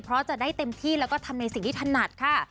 เพราะจะได้เต็มที่แล้วก็ทำในสิ่งที่ถนัดค่ะ